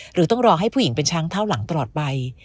หรือต้องรอให้ผู้หญิงเป็นช้างเท่าหลังตลอดไป